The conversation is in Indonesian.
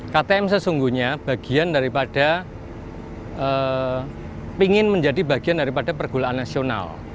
ktm sesungguhnya ingin menjadi bagian daripada pergulaan nasional